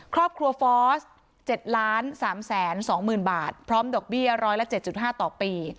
ครอบครัวฟอส๗๓๒๐๐๐บาทพร้อมดอกเบี้ย๑๐๗๕ต่อปี